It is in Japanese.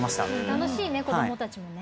楽しいね子どもたちもね。